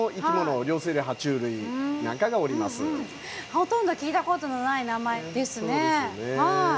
ほとんど聞いたことのない名前ですね。